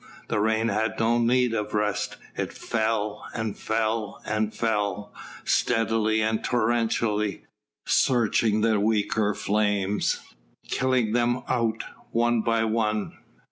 The rain had no need of rest; it fell, and fell, and fell, steadily and torrentially, searching the weaker flames, killing them out one by one.